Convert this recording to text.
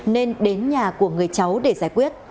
nên đến nhà của người cháu để giải quyết